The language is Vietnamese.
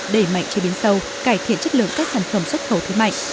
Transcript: đẩy mạnh chế biến sâu cải thiện chất lượng các sản phẩm xuất khẩu thế mạnh